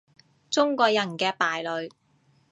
中國人嘅敗類